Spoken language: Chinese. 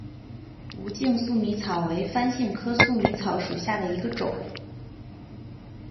无茎粟米草为番杏科粟米草属下的一个种。